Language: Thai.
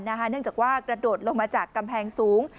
เนื่องจากว่ากระโดดลงมาจากกำแพงสูง